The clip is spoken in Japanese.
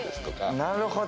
なるほど。